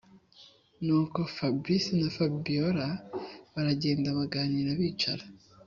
nuko fabric na fabiora baragenda baganira bicara